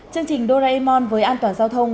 chương trình doraemon với an toàn giao thông